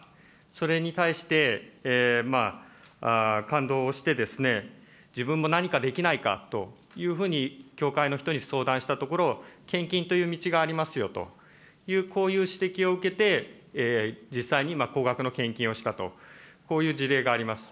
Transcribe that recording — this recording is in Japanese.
それに対して感動をして、自分も何かできないかというふうに、教会の人に相談したところ、献金という道がありますよという、こういう指摘を受けて、実際に高額の献金をしたと、こういう事例があります。